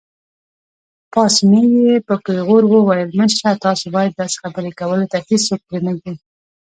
پاسیني په پېغور وویل: مشره، تاسو باید داسې خبرې کولو ته څوک پرېنږدئ.